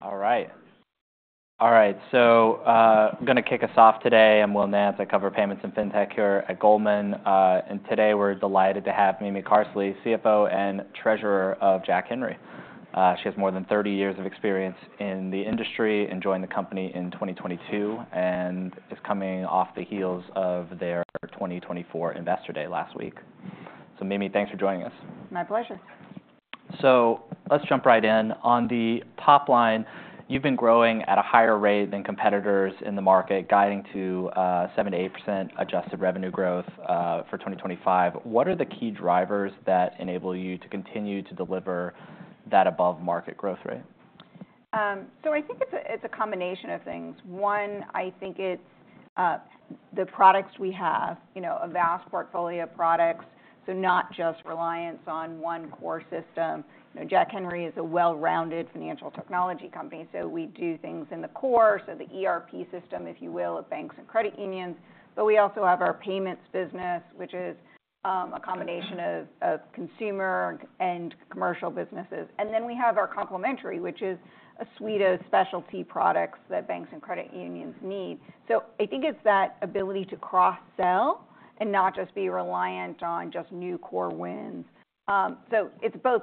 All right. All right, so, I'm gonna kick us off today. I'm Will Nance. I cover payments and fintech here at Goldman. And today, we're delighted to have Mimi Carsley, CFO and Treasurer of Jack Henry. She has more than thirty years of experience in the industry, and joined the company in twenty twenty-two, and is coming off the heels of their twenty twenty-four Investor Day last week. So Mimi, thanks for joining us. My pleasure. Let's jump right in. On the top line, you've been growing at a higher rate than competitors in the market, guiding to 78% adjusted revenue growth for 2025. What are the key drivers that enable you to continue to deliver that above-market growth rate? So I think it's a combination of things. One, I think it's the products we have, you know, a vast portfolio of products, so not just reliance on one core system. You know, Jack Henry is a well-rounded financial technology company, so we do things in the core, so the ERP system, if you will, of banks and credit unions. But we also have our payments business, which is a combination of consumer and commercial businesses. And then we have our complementary, which is a suite of specialty products that banks and credit unions need. So I think it's that ability to cross-sell and not just be reliant on just new core wins. So it's both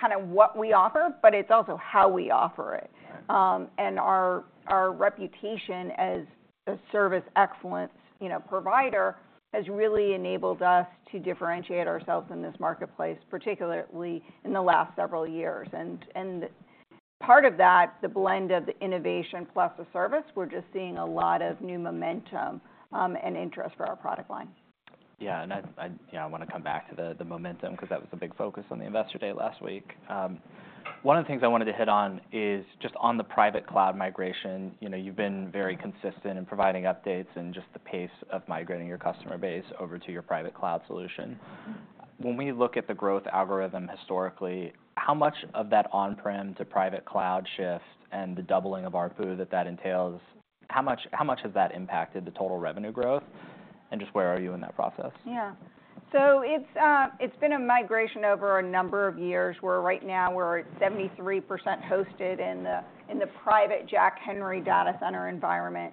kind of what we offer, but it's also how we offer it. Right. And our reputation as a service excellence, you know, provider has really enabled us to differentiate ourselves in this marketplace, particularly in the last several years. And part of that, the blend of innovation plus the service, we're just seeing a lot of new momentum, and interest for our product line. Yeah, and I you know, I wanna come back to the momentum, 'cause that was a big focus on the Investor Day last week. One of the things I wanted to hit on is just on the private cloud migration. You know, you've been very consistent in providing updates and just the pace of migrating your customer base over to your private cloud solution. When we look at the growth algorithm historically, how much of that on-prem to private cloud shift and the doubling of ARPU that that entails, how much has that impacted the total revenue growth, and just where are you in that process? Yeah. So it's been a migration over a number of years, where right now we're at 73% hosted in the private Jack Henry data center environment.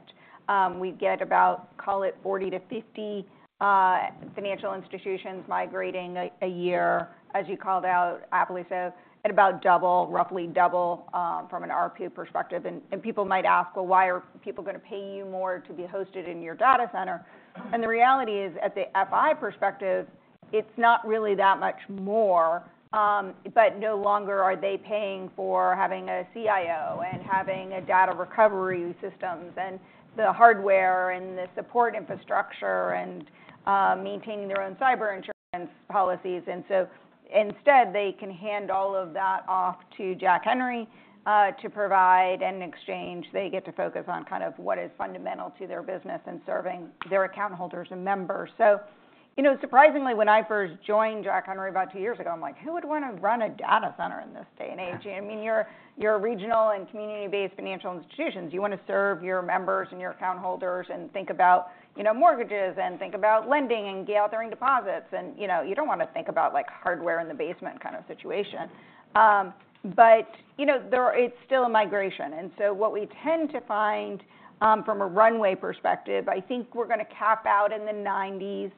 We get about, call it 40 to 50 financial institutions migrating a year, as you called out, aptly so, at about double, roughly double, from an ARPU perspective. And people might ask, "Well, why are people gonna pay you more to be hosted in your data center?" And the reality is, at the FI perspective, it's not really that much more, but no longer are they paying for having a CIO and having data recovery systems, and the hardware and the support infrastructure, and maintaining their own cyber insurance policies. And so instead, they can hand all of that off to Jack Henry to provide. In exchange, they get to focus on kind of what is fundamental to their business and serving their account holders and members. So you know, surprisingly, when I first joined Jack Henry about two years ago, I'm like: "Who would want to run a data center in this day and age? Yeah. I mean, you're a regional and community-based financial institutions. You want to serve your members and your account holders and think about, you know, mortgages and think about lending and gathering deposits, and you know, you don't want to think about, like, hardware in the basement kind of situation, but you know, it's still a migration, and so what we tend to find, from a runway perspective, I think we're gonna cap out in the nineties,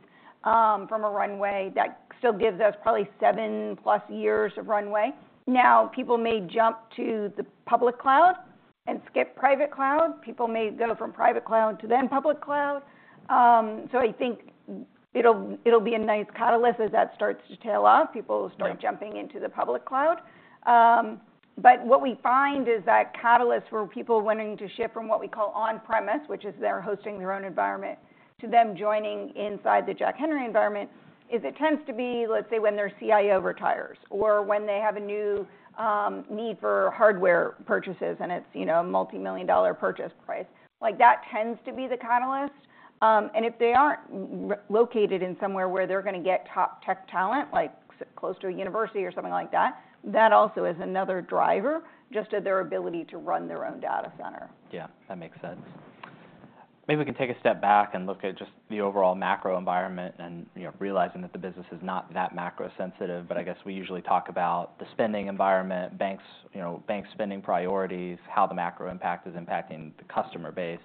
from a runway. That still gives us probably seven-plus years of runway. Now, people may jump to the public cloud and skip private cloud. People may go from private cloud to then public cloud, so I think it'll be a nice catalyst as that starts to tail off. Yeah. People will start jumping into the public cloud. But what we find is that catalyst, where people wanting to shift from what we call on-premise, which is they're hosting their own environment, to them joining inside the Jack Henry environment, is it tends to be, let's say, when their CIO retires or when they have a new need for hardware purchases, and it's, you know, a multimillion-dollar purchase price. Like, that tends to be the catalyst. And if they aren't located in somewhere where they're gonna get top tech talent, like close to a university or something like that, that also is another driver, just of their ability to run their own data center. Yeah, that makes sense. Maybe we can take a step back and look at just the overall macro environment and, you know, realizing that the business is not that macro-sensitive, but I guess we usually talk about the spending environment, banks, you know, banks' spending priorities, how the macro impact is impacting the customer base.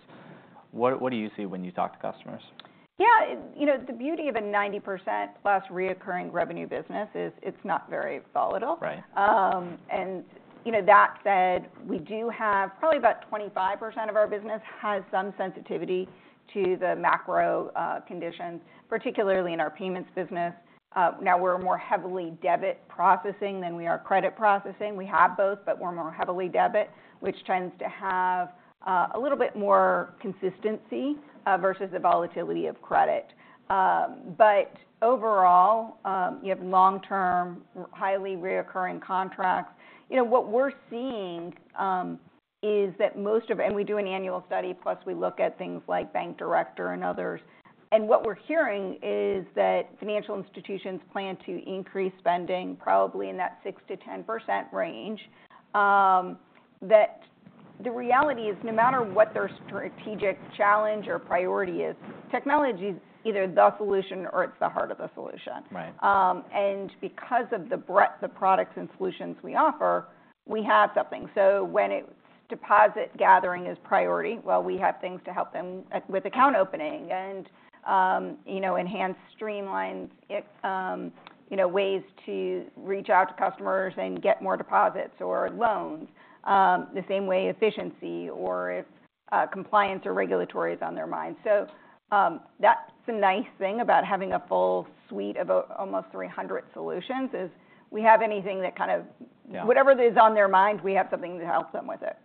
What do you see when you talk to customers? Yeah, you know, the beauty of a 90% plus recurring revenue business is it's not very volatile. Right. And you know, that said, we do have probably about 25% of our business has some sensitivity to the macro conditions, particularly in our payments business. Now we're more heavily debit processing than we are credit processing. We have both, but we're more heavily debit, which tends to have a little bit more consistency versus the volatility of credit. But overall, you have long-term, highly recurring contracts. You know, what we're seeing is that, and we do an annual study, plus we look at things like Bank Director and others, and what we're hearing is that financial institutions plan to increase spending probably in that 6%-10% range. The reality is, no matter what their strategic challenge or priority is, technology is either the solution or it's the heart of the solution. Right. And because of the breadth of products and solutions we offer, we have something. So when it's deposit gathering is priority, well, we have things to help them with account opening and, you know, enhanced streamlines, you know, ways to reach out to customers and get more deposits or loans, the same way efficiency or if compliance or regulatory is on their mind. So, that's the nice thing about having a full suite of almost three hundred solutions, is we have anything that kind of- Yeah. Whatever is on their mind, we have something to help them with it.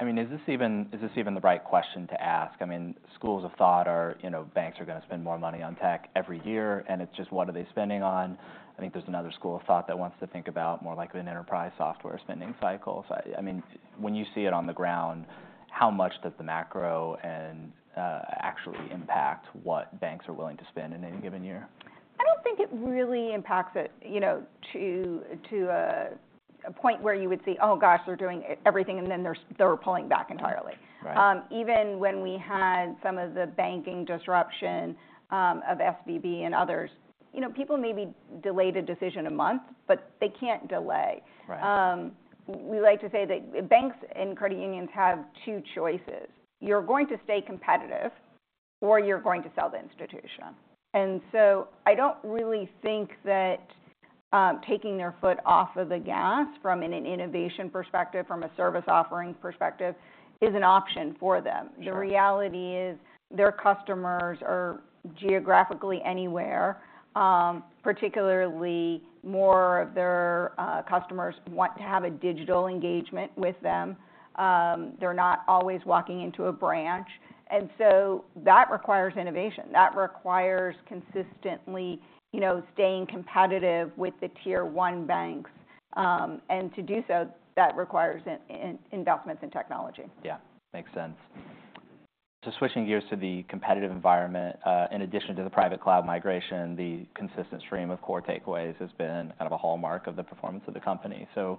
I mean, is this even the right question to ask? I mean, schools of thought are, you know, banks are gonna spend more money on tech every year, and it's just what are they spending on. I think there's another school of thought that wants to think about more like an enterprise software spending cycle. So I mean, when you see it on the ground, how much does the macro and, actually impact what banks are willing to spend in any given year? I don't think it really impacts it, you know, to a point where you would see, "Oh, gosh, they're doing everything," and then they're pulling back entirely. Right. Even when we had some of the banking disruption of SVB and others, you know, people maybe delayed a decision a month, but they can't delay. Right. We like to say that banks and credit unions have two choices: you're going to stay competitive or you're going to sell the institution. And so I don't really think that, taking their foot off of the gas from an innovation perspective, from a service offering perspective, is an option for them. Sure. The reality is their customers are geographically anywhere, particularly more of their customers want to have a digital engagement with them. They're not always walking into a branch, and so that requires innovation. That requires consistently, you know, staying competitive with the tier one banks. And to do so, that requires investments in technology. Yeah, makes sense. So switching gears to the competitive environment, in addition to the private cloud migration, the consistent stream of core takeaways has been kind of a hallmark of the performance of the company. So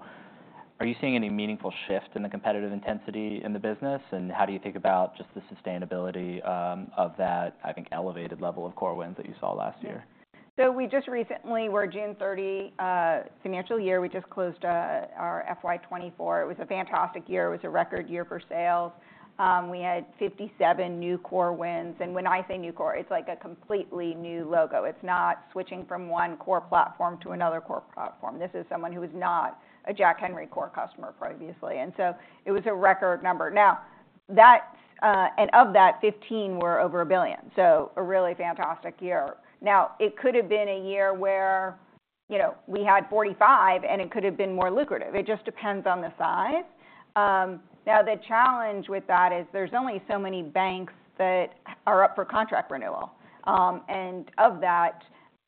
are you seeing any meaningful shift in the competitive intensity in the business? And how do you think about just the sustainability of that, I think, elevated level of core wins that you saw last year? So we just recently. We're June 30 fiscal year. We just closed our FY 2024. It was a fantastic year. It was a record year for sales. We had 57 new core wins, and when I say new core, it's like a completely new logo. It's not switching from one core platform to another core platform. This is someone who is not a Jack Henry core customer previously, and so it was a record number. Now, that, and of that, 15 were over a billion, so a really fantastic year. Now, it could have been a year where, you know, we had 45, and it could have been more lucrative. It just depends on the size. Now, the challenge with that is there's only so many banks that are up for contract renewal. And of that,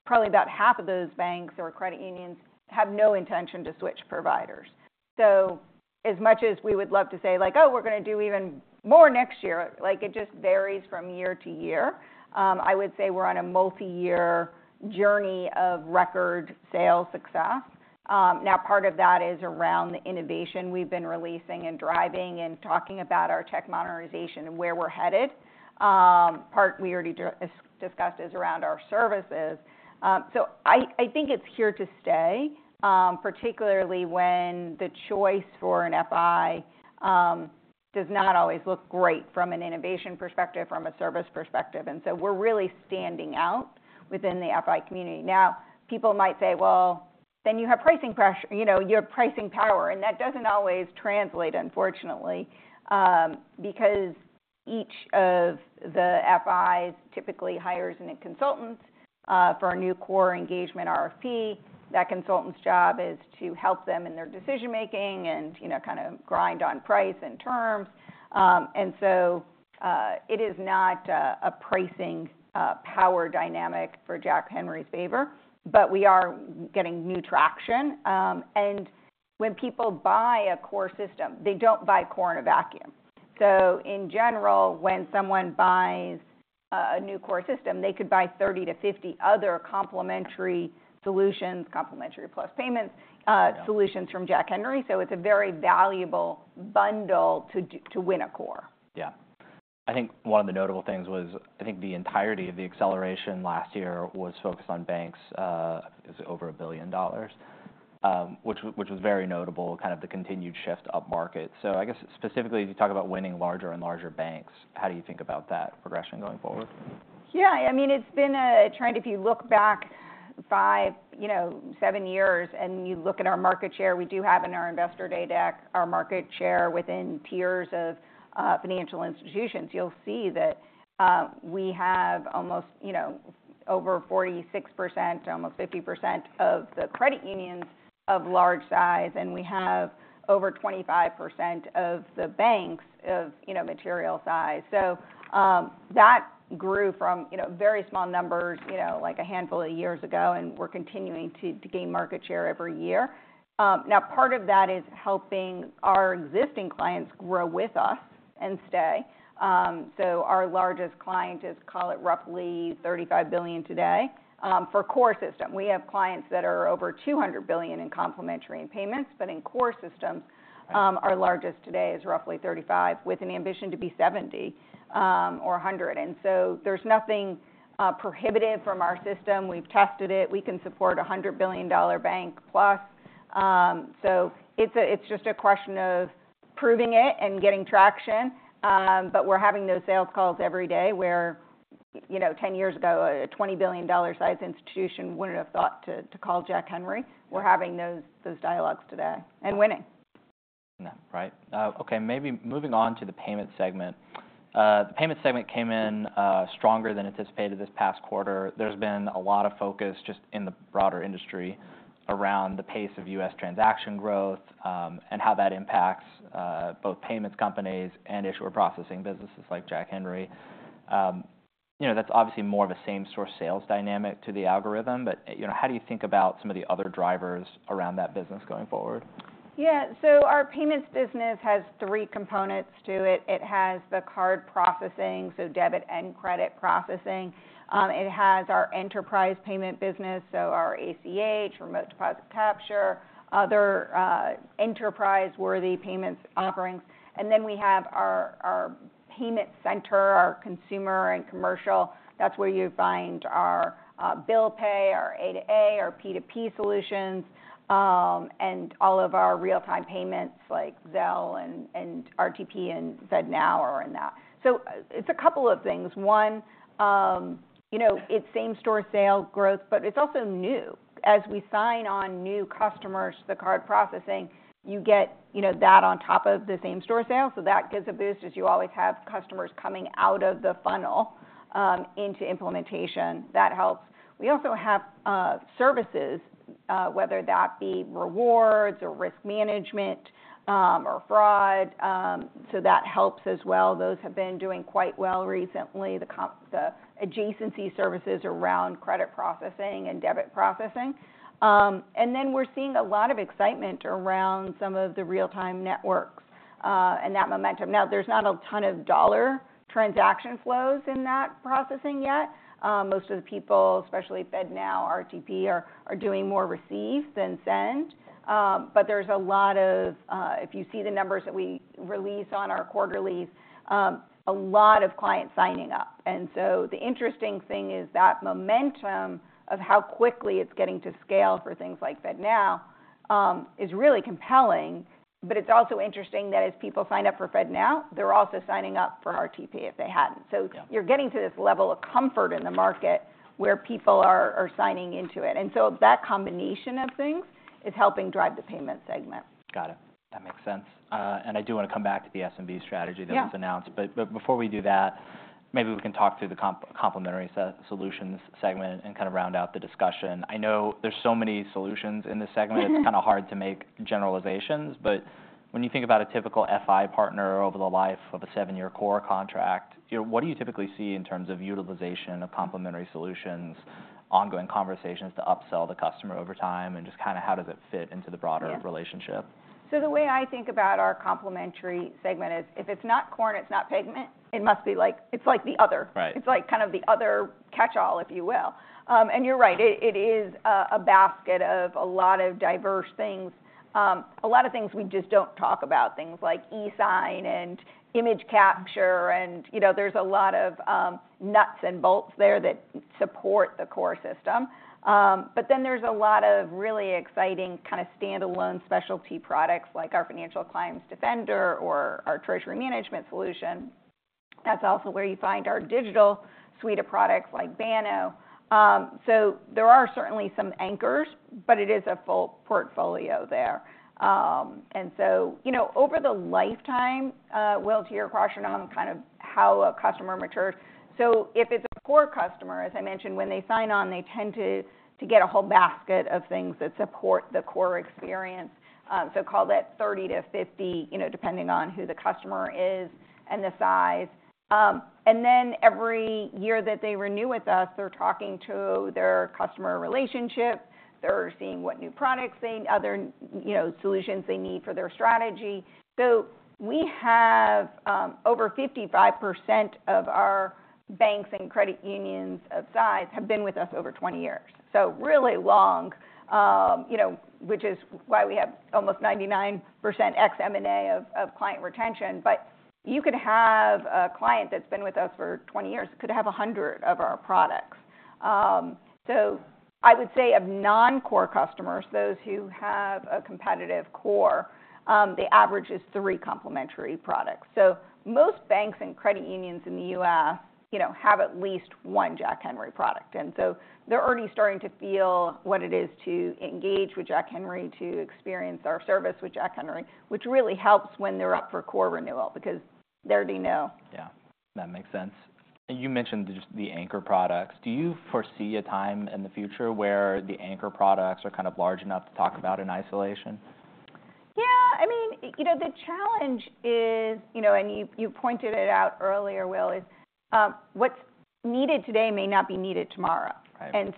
probably about half of those banks or credit unions have no intention to switch providers. So as much as we would love to say, like, "Oh, we're gonna do even more next year," like, it just varies from year to year. I would say we're on a multi-year journey of record sales success. Now, part of that is around the innovation we've been releasing and driving and talking about our tech modernization and where we're headed. Part we already discussed is around our services. So I think it's here to stay, particularly when the choice for an FI does not always look great from an innovation perspective, from a service perspective, and so we're really standing out within the FI community. Now, people might say, "Well, then you have pricing pressure, you know, you have pricing power," and that doesn't always translate, unfortunately. Because each of the FIs typically hires a consultant for a new core engagement RFP. That consultant's job is to help them in their decision-making and, you know, kind of grind on price and terms. And so, it is not a pricing power dynamic for Jack Henry's favor, but we are getting new traction. And when people buy a core system, they don't buy core in a vacuum. So in general, when someone buys a new core system, they could buy 30 to 50 other complementary solutions, complementary plus payments. Yeah... solutions from Jack Henry. So it's a very valuable bundle to win a core. Yeah. I think one of the notable things was. I think the entirety of the acceleration last year was focused on banks. Is it over $1 billion? Which was very notable, kind of the continued shift upmarket. So I guess specifically, as you talk about winning larger and larger banks, how do you think about that progression going forward? Yeah, I mean, it's been a trend. If you look back five, you know, seven years, and you look at our market share, we do have in our investor day deck, our market share within peers of, financial institutions. You'll see that, we have almost, you know, over 46%, almost 50% of the credit unions of large size, and we have over 25% of the banks of, you know, material size. So, that grew from, you know, very small numbers, you know, like a handful of years ago, and we're continuing to gain market share every year. Now, part of that is helping our existing clients grow with us... and stay. So our largest client is, call it, roughly $35 billion today, for core system. We have clients that are over $200 billion in complementary and payments, but in core systems, our largest today is roughly $35 billion, with an ambition to be $70 billion or $100 billion. So there's nothing prohibitive from our system. We've tested it. We can support a $100 billion bank plus. So it's just a question of proving it and getting traction. But we're having those sales calls every day, where, you know, 10 years ago, a $20 billion-sized institution wouldn't have thought to call Jack Henry. We're having those dialogues today and winning. Yeah. Right. Okay, maybe moving on to the payment segment. The payment segment came in stronger than anticipated this past quarter. There's been a lot of focus just in the broader industry around the pace of U.S. transaction growth, and how that impacts both payments companies and issuer processing businesses like Jack Henry. You know, that's obviously more of a same store sales dynamic to the algorithm, but, you know, how do you think about some of the other drivers around that business going forward? Yeah. So our payments business has three components to it. It has the card processing, so debit and credit processing. It has our enterprise payment business, so our ACH, remote deposit capture, other enterprise-worthy payments offerings. And then we have our payment center, our consumer and commercial. That's where you find our bill pay, our A2A, our P2P solutions, and all of our real-time payments, like Zelle and RTP and FedNow are in that. So it's a couple of things. One, you know, it's same-store sale growth, but it's also new. As we sign on new customers to the card processing, you get, you know, that on top of the same-store sales, so that gives a boost, as you always have customers coming out of the funnel into implementation. That helps. We also have services, whether that be rewards or risk management, or fraud, so that helps as well. Those have been doing quite well recently, the adjacency services around credit processing and debit processing, and then we're seeing a lot of excitement around some of the real-time networks, and that momentum. Now, there's not a ton of dollar transaction flows in that processing yet. Most of the people, especially FedNow, RTP, are doing more receive than send, but there's a lot of. If you see the numbers that we release on our quarterlies, a lot of clients signing up. And so the interesting thing is that momentum of how quickly it's getting to scale for things like FedNow is really compelling, but it's also interesting that as people sign up for FedNow, they're also signing up for RTP, if they hadn't. Yeah. So you're getting to this level of comfort in the market where people are signing into it. And so that combination of things is helping drive the payment segment. Got it. That makes sense, and I do want to come back to the SMB strategy- Yeah... that was announced. But before we do that, maybe we can talk through the complementary solutions segment and kind of round out the discussion. I know there's so many solutions in this segment, it's kind of hard to make generalizations, but when you think about a typical FI partner over the life of a seven-year core contract, you know, what do you typically see in terms of utilization of complementary solutions, ongoing conversations to upsell the customer over time, and just kind of how does it fit into the broader- Yeah - relationship? So the way I think about our complementary segment is, if it's not core and it's not payment, it must be like... It's like the other. Right. It's like kind of the other catch-all, if you will, and you're right, it is a basket of a lot of diverse things. A lot of things we just don't talk about, things like e-sign and image capture and, you know, there's a lot of nuts and bolts there that support the core system, but then there's a lot of really exciting kind of standalone specialty products, like our Financial Crimes Defender, or our Treasury Management solution. That's also where you find our digital suite of products, like Banno, so there are certainly some anchors, but it is a full portfolio there. And so, you know, over the lifetime, Will, to your question on kind of how a customer matures, so if it's a core customer, as I mentioned, when they sign on, they tend to get a whole basket of things that support the core experience. So call that 30-50, you know, depending on who the customer is and the size. And then every year that they renew with us, they're talking to their customer relationship. They're seeing what new products they need, other, you know, solutions they need for their strategy. So we have over 55% of our banks and credit unions of size have been with us over 20 years, so really long. You know, which is why we have almost 99% ex-M&A of client retention. But you could have a client that's been with us for 20 years, could have 100 of our products. So I would say of non-core customers, those who have a competitive core, the average is three complementary products. So most banks and credit unions in the U.S., you know, have at least one Jack Henry product, and so they're already starting to feel what it is to engage with Jack Henry, to experience our service with Jack Henry, which really helps when they're up for core renewal, because they already know. Yeah, that makes sense. And you mentioned just the anchor products. Do you foresee a time in the future where the anchor products are kind of large enough to talk about in isolation? Yeah. I mean, you know, the challenge is, you know, and you pointed it out earlier, Will, what's needed today may not be needed tomorrow. Right.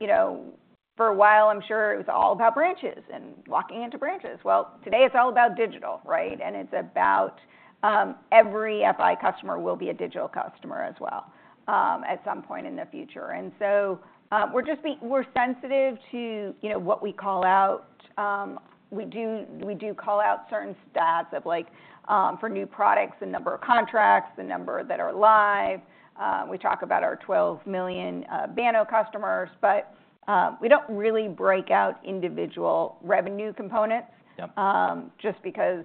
You know, for a while, I'm sure it was all about branches and walking into branches. Today it's all about digital, right? It's about every FI customer will be a digital customer as well at some point in the future. We're sensitive to, you know, what we call out. We do call out certain stats like for new products, the number of contracts, the number that are live. We talk about our 12 million Banno customers, but we don't really break out individual revenue components- Yep... just because,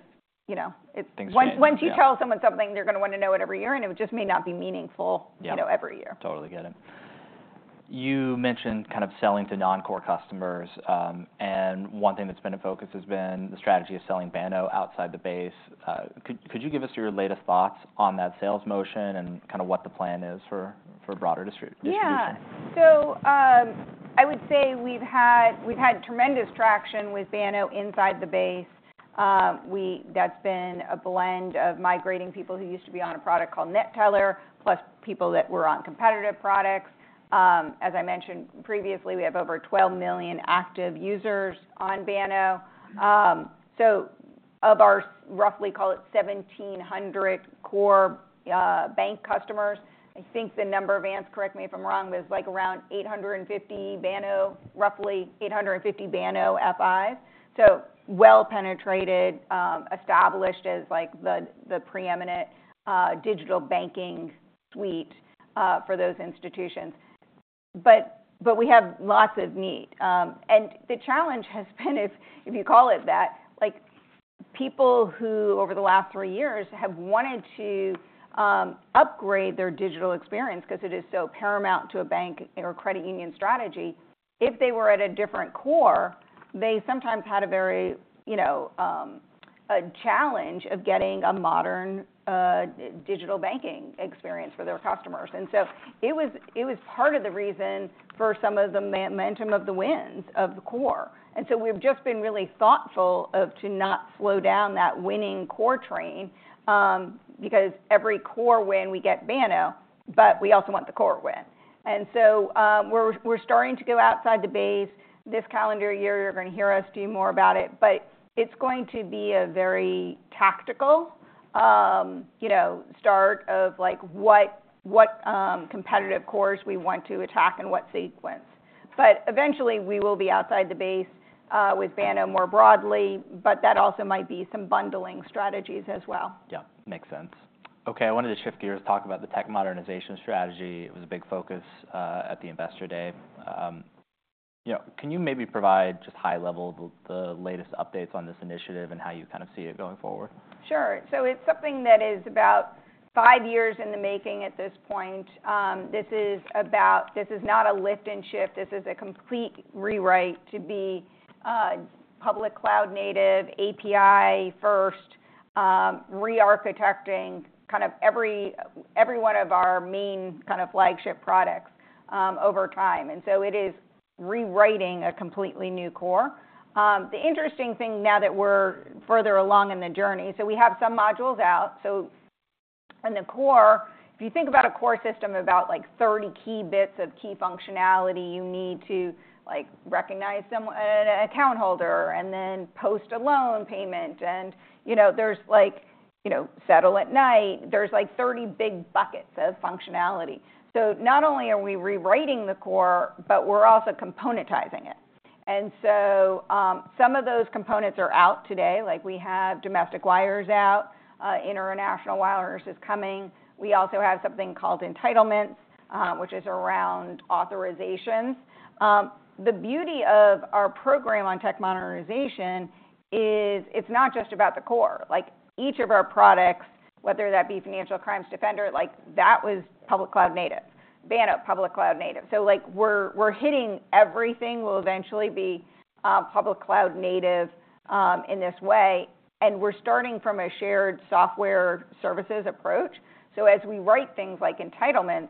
you know, it- Things change, yeah. Once you tell someone something, they're gonna wanna know it every year, and it just may not be meaningful- Yeah... you know, every year. Totally get it. You mentioned kind of selling to non-core customers, and one thing that's been a focus has been the strategy of selling Banno outside the base. Could you give us your latest thoughts on that sales motion and kind of what the plan is for broader distribution? Yeah. So, I would say we've had tremendous traction with Banno inside the base. We - that's been a blend of migrating people who used to be on a product called NetTeller, plus people that were on competitive products. As I mentioned previously, we have over 12 million active users on Banno. So of our, roughly call it 1,700 core bank customers, I think the number, Vance, correct me if I'm wrong, but it's like around 850 Banno, roughly 850 Banno FIs. So well penetrated, established as like the, the preeminent digital banking suite for those institutions. But we have lots of need. And the challenge has been, if you call it that, like, people who over the last three years have wanted to upgrade their digital experience because it is so paramount to a bank or credit union strategy, if they were at a different core, they sometimes had a very, you know, a challenge of getting a modern digital banking experience for their customers. And so it was part of the reason for some of the momentum of the wins of the core. And so we've just been really thoughtful of to not slow down that winning core train, because every core win, we get Banno, but we also want the core win. And so we're starting to go outside the base this calendar year. You're gonna hear us do more about it, but it's going to be a very tactical, you know, start of like, what competitive cores we want to attack in what sequence, but eventually, we will be outside the base with Banno more broadly, but that also might be some bundling strategies as well. Yeah, makes sense. Okay, I wanted to shift gears, talk about the tech modernization strategy. It was a big focus at the Investor Day. You know, can you maybe provide just high level the latest updates on this initiative and how you kind of see it going forward? Sure. So it's something that is about five years in the making at this point. This is about... This is not a lift and shift, this is a complete rewrite to be public cloud native, API first, re-architecting kind of every one of our main kind of flagship products over time. And so it is rewriting a completely new core. The interesting thing now that we're further along in the journey, so we have some modules out. So in the core, if you think about a core system, about like 30 key bits of key functionality, you need to like recognize an account holder and then post a loan payment. And, you know, there's like, you know, settle at night. There's like 30 big buckets of functionality. So not only are we rewriting the core, but we're also componentizing it. And so, some of those components are out today, like we have domestic wires out, international wires is coming. We also have something called entitlements, which is around authorizations. The beauty of our program on tech modernization is it's not just about the core. Like, each of our products, whether that be Financial Crimes Defender, like that was public cloud native. Banno, public cloud native. So like we're hitting everything will eventually be public cloud native in this way, and we're starting from a shared software services approach. So as we write things like entitlements,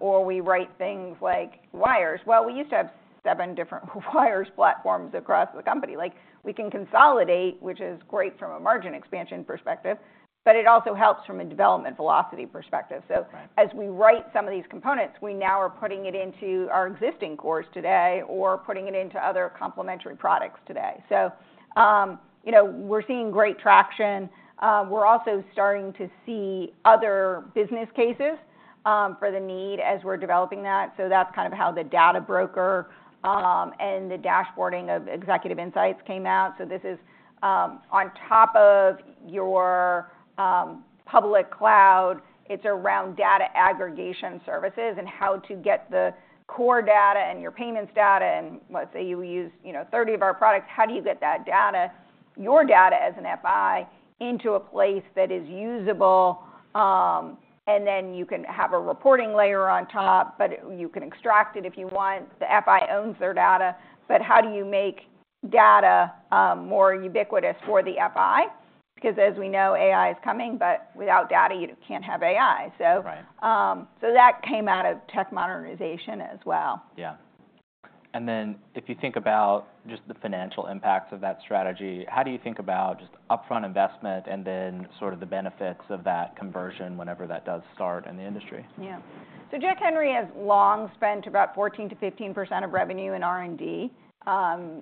or we write things like wires, well, we used to have seven different wires platforms across the company. Like, we can consolidate, which is great from a margin expansion perspective, but it also helps from a development velocity perspective. Right. So as we write some of these components, we now are putting it into our existing cores today or putting it into other complementary products today. So, you know, we're seeing great traction. We're also starting to see other business cases for the need as we're developing that. So that's kind of how the Data Broker and the dashboarding of Executive Insights came out. So this is on top of your private cloud. It's around data aggregation services and how to get the core data and your payments data, and let's say you use, you know, 30 of our products, how do you get that data, your data, as an FI, into a place that is usable? And then you can have a reporting layer on top, but you can extract it if you want. The FI owns their data, but how do you make data more ubiquitous for the FI? Because as we know, AI is coming, but without data, you can't have AI. So. Right. That came out of tech modernization as well. Yeah. And then, if you think about just the financial impacts of that strategy, how do you think about just upfront investment and then sort of the benefits of that conversion whenever that does start in the industry? Yeah. So Jack Henry has long spent about 14-15% of revenue in R&D.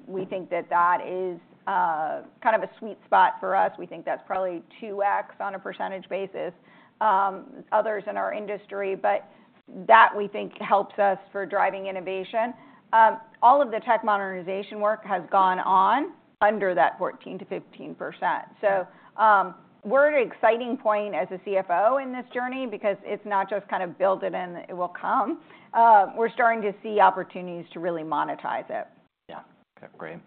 We think that that is kind of a sweet spot for us. We think that's probably 2X on a percentage basis, others in our industry, but that we think helps us for driving innovation. All of the tech modernization work has gone on under that 14-15%. We're at an exciting point as a CFO in this journey because it's not just kind of build it and it will come. We're starting to see opportunities to really monetize it. Yeah. Okay, great.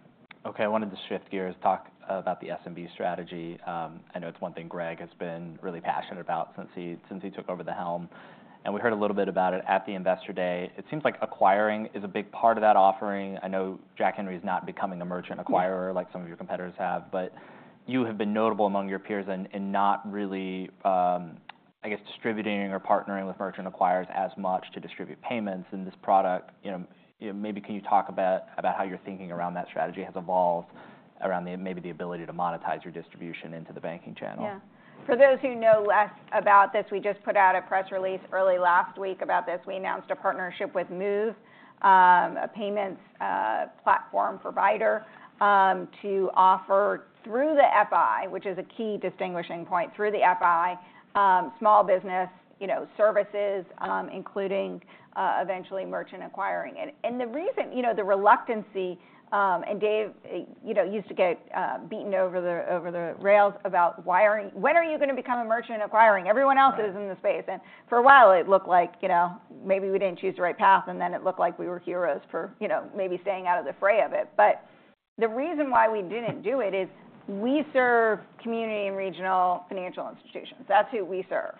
Okay, I wanted to shift gears, talk about the SMB strategy. I know it's one thing Greg has been really passionate about since he took over the helm, and we heard a little bit about it at the Investor Day. It seems like acquiring is a big part of that offering. I know Jack Henry is not becoming a merchant acquirer- No like some of your competitors have, but you have been notable among your peers in not really, I guess, distributing or partnering with merchant acquirers as much to distribute payments in this product. You know, maybe can you talk about how your thinking around that strategy has evolved around the, maybe the ability to monetize your distribution into the banking channel? Yeah. For those who know less about this, we just put out a press release early last week about this. We announced a partnership with Moov, a payments platform provider, to offer through the FI, which is a key distinguishing point, through the FI, small business, you know, services, including eventually merchant acquiring. And the reason, you know, the reluctance, and Dave, you know, used to get beaten over the rails about why aren't - "When are you going to become a merchant acquiring? Everyone else is in the space. Right. For a while, it looked like, you know, maybe we didn't choose the right path, and then it looked like we were heroes for, you know, maybe staying out of the fray of it, but the reason why we didn't do it is we serve community and regional financial institutions. That's who we serve.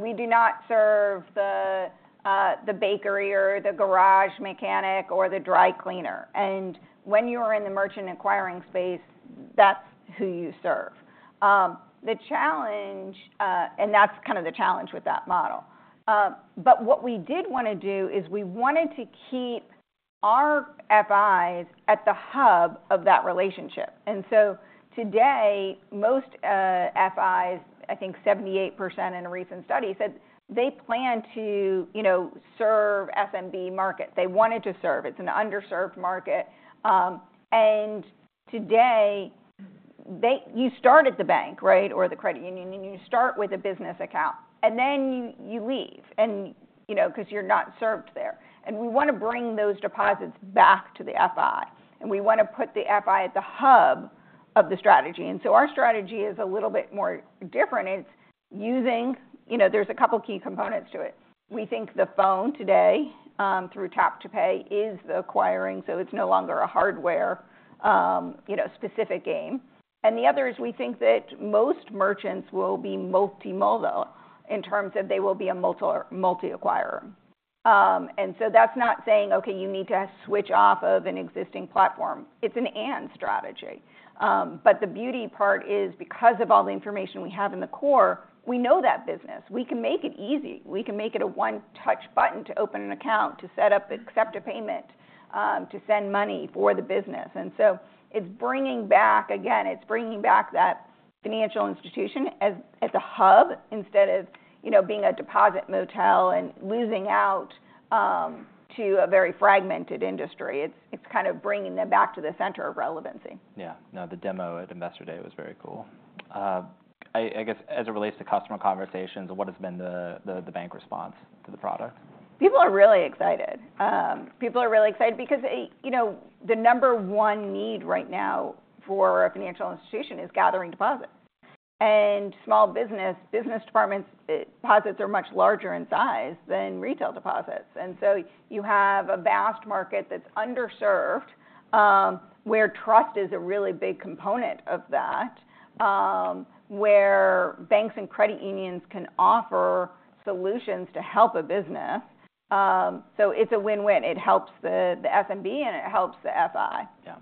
We do not serve the bakery or the garage mechanic or the dry cleaner, and when you are in the merchant acquiring space, that's who you serve. The challenge, and that's kind of the challenge with that model, but what we did want to do is we wanted to keep our FIs at the hub of that relationship, and so today, most FIs, I think 78% in a recent study, said they plan to, you know, serve SMB markets. They wanted to serve. It's an underserved market. And today, you start at the bank, right, or the credit union, and you start with a business account, and then you leave and, you know, because you're not served there. We want to bring those deposits back to the FI, and we want to put the FI at the hub of the strategy. Our strategy is a little bit more different. It's using. You know, there's a couple key components to it. We think the phone today, through tap to pay, is the acquiring, so it's no longer a hardware, you know, specific game. The other is, we think that most merchants will be multimodal in terms of they will be a multi-acquirer. That's not saying, "Okay, you need to switch off of an existing platform." It's an and strategy. But the beauty part is, because of all the information we have in the core, we know that business. We can make it easy. We can make it a one-touch button to open an account, to set up and accept a payment, to send money for the business. And so it's bringing back. Again, it's bringing back that financial institution as a hub instead of, you know, being a deposit motel and losing out to a very fragmented industry. It's kind of bringing them back to the center of relevancy. Yeah. No, the demo at Investor Day was very cool. I guess, as it relates to customer conversations, what has been the bank response to the product? People are really excited because, you know, the number one need right now for a financial institution is gathering deposits. And small business, business departments, deposits are much larger in size than retail deposits. And so you have a vast market that's underserved, where trust is a really big component of that, where banks and credit unions can offer solutions to help a business. So it's a win-win. It helps the SMB, and it helps the FI. Yeah.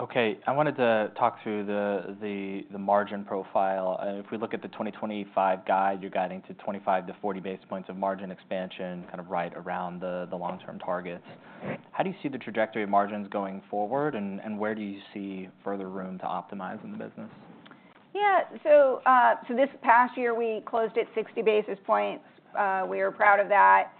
Okay, I wanted to talk through the margin profile. If we look at the 2025 guide, you're guiding to 25-40 basis points of margin expansion, kind of right around the long-term targets. Right. How do you see the trajectory of margins going forward, and where do you see further room to optimize in the business? Yeah. So this past year, we closed at sixty basis points. We are proud of that.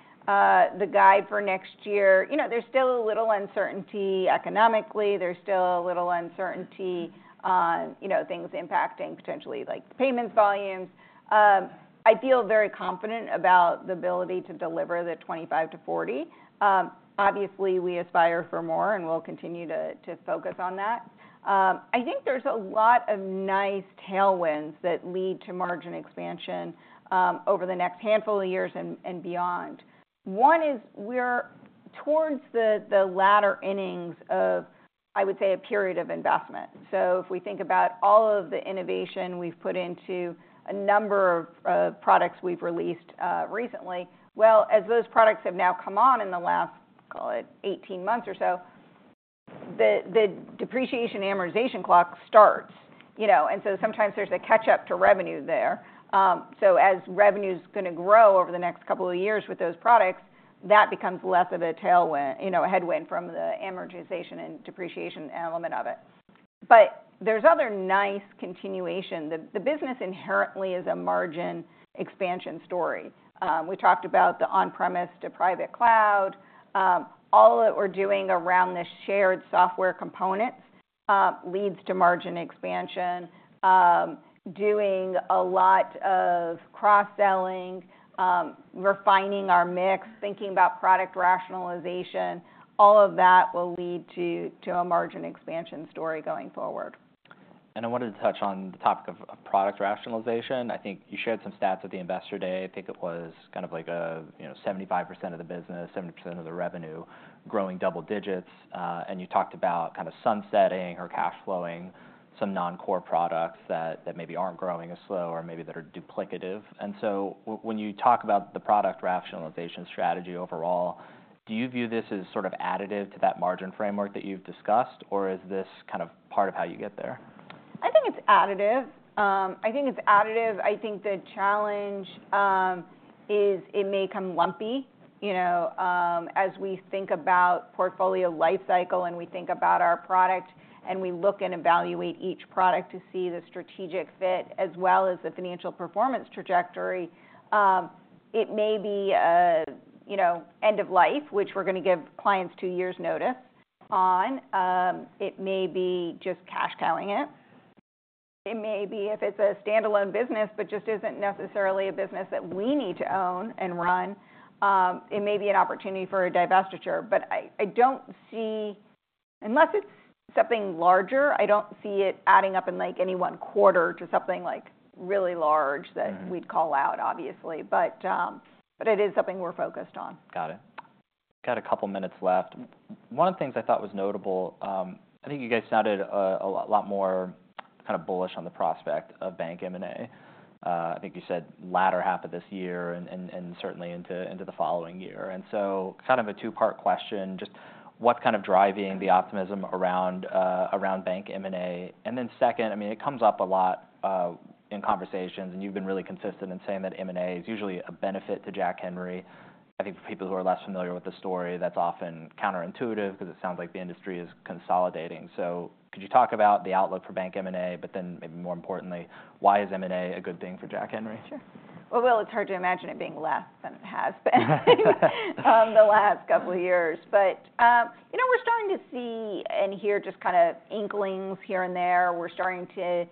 The guide for next year... You know, there's still a little uncertainty economically. There's still a little uncertainty on, you know, things impacting potentially, like payments, volumes. I feel very confident about the ability to deliver the 25 to 40. Obviously, we aspire for more, and we'll continue to focus on that. I think there's a lot of nice tailwinds that lead to margin expansion, over the next handful of years and beyond. One is we're towards the latter innings of, I would say, a period of investment. So if we think about all of the innovation we've put into a number of products we've released recently, well, as those products have now come on in the last, call it eighteen months or so, the depreciation amortization clock starts, you know, and so sometimes there's a catch-up to revenue there. So as revenue's gonna grow over the next couple of years with those products, that becomes less of a tailwind, you know, a headwind from the amortization and depreciation element of it. But there's other nice continuation. The business inherently is a margin expansion story. We talked about the on-premise to private cloud. All that we're doing around the shared software component leads to margin expansion. Doing a lot of cross-selling, refining our mix, thinking about product rationalization, all of that will lead to a margin expansion story going forward. And I wanted to touch on the topic of product rationalization. I think you shared some stats at the Investor Day. I think it was kind of like, you know, 75% of the business, 70% of the revenue growing double digits, and you talked about kind of sunsetting or cash flowing some non-core products that maybe aren't growing as slow or maybe that are duplicative. And so when you talk about the product rationalization strategy overall, do you view this as sort of additive to that margin framework that you've discussed, or is this kind of part of how you get there? I think it's additive. I think it's additive. I think the challenge is it may come lumpy, you know, as we think about portfolio life cycle, and we think about our product, and we look and evaluate each product to see the strategic fit as well as the financial performance trajectory. It may be a, you know, end of life, which we're gonna give clients two years' notice on. It may be just cash tailing it. It may be if it's a standalone business, but just isn't necessarily a business that we need to own and run, it may be an opportunity for a divestiture. But I don't see... unless it's something larger, I don't see it adding up in, like, any one quarter to something, like, really large- Mm-hmm. -that we'd call out, obviously. But, but it is something we're focused on. Got it. Got a couple minutes left. One of the things I thought was notable, I think you guys sounded a lot more kind of bullish on the prospect of bank M&A. I think you said latter half of this year and certainly into the following year, and so kind of a two-part question: just what's kind of driving the optimism around bank M&A? And then second, I mean, it comes up a lot in conversations, and you've been really consistent in saying that M&A is usually a benefit to Jack Henry. I think for people who are less familiar with the story, that's often counterintuitive because it sounds like the industry is consolidating, so could you talk about the outlook for bank M&A, but then maybe more importantly, why is M&A a good thing for Jack Henry? Sure. Well, it's hard to imagine it being less than it has been, the last couple of years. But, you know, we're starting to see and hear just kind of inklings here and there. We're starting to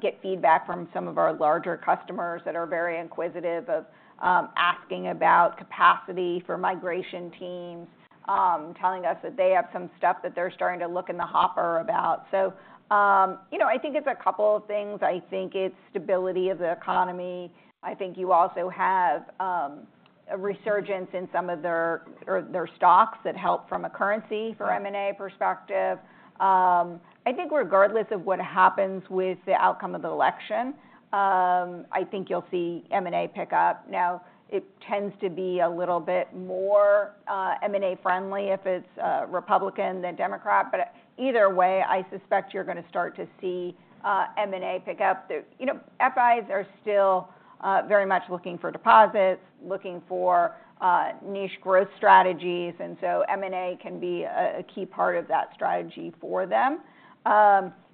get feedback from some of our larger customers that are very inquisitive of asking about capacity for migration teams, telling us that they have some stuff that they're starting to look in the hopper about. So, you know, I think it's a couple of things. I think it's stability of the economy. I think you also have a resurgence in some of their, or their stocks that help from a currency- Right... for M&A perspective. I think regardless of what happens with the outcome of the election, I think you'll see M&A pick up. Now, it tends to be a little bit more M&A-friendly if it's Republican than Democrat, but either way, I suspect you're gonna start to see M&A pick up. The, you know, FIs are still very much looking for deposits, looking for niche growth strategies, and so M&A can be a key part of that strategy for them.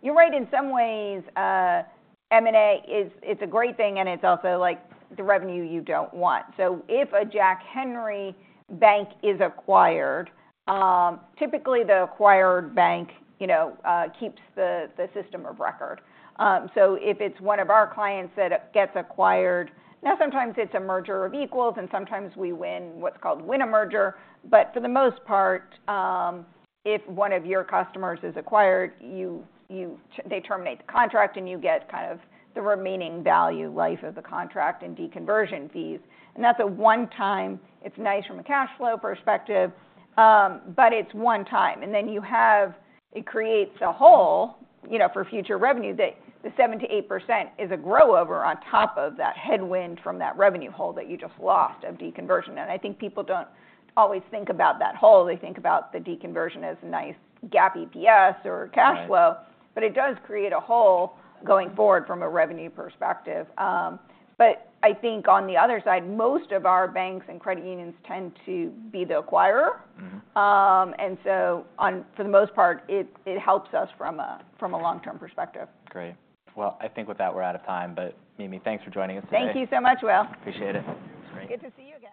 You're right, in some ways, M&A is a great thing, and it's also, like, the revenue you don't want. So if a Jack Henry bank is acquired, typically the acquired bank, you know, keeps the system of record. So if it's one of our clients that gets acquired... Now, sometimes it's a merger of equals, and sometimes we win what's called win a merger. But for the most part, if one of your customers is acquired, you, they terminate the contract, and you get kind of the remaining value life of the contract and deconversion fees. And that's a one-time. It's nice from a cash flow perspective, but it's one time. And then it creates a hole, you know, for future revenue, that the 7%-8% is a grow over on top of that headwind from that revenue hole that you just lost of deconversion. And I think people don't always think about that hole. They think about the deconversion as nice GAAP EPS or cash flow. Right. But it does create a hole going forward from a revenue perspective. But I think on the other side, most of our banks and credit unions tend to be the acquirer. Mm-hmm. and so on... for the most part, it helps us from a long-term perspective. Great. Well, I think with that, we're out of time, but Mimi, thanks for joining us today. Thank you so much, Will. Appreciate it. It was great. Good to see you again.